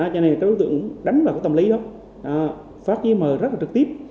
cho nên các đối tượng đánh vào tầm lý đó phát giấy mở rất trực tiếp